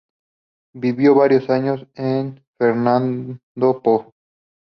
Vivió varios años en Fernando Poo.